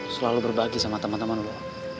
selalu berbagi sama teman teman loh